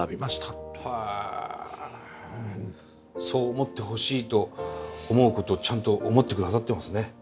そう思ってほしいと思うことをちゃんと思って下さってますね。